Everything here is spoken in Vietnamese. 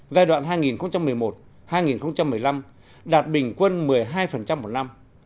giai đoạn hai nghìn một mươi một hai nghìn một mươi năm đạt bình quân một mươi hai một năm